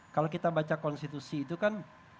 kalau kita baca konstitusi itu kan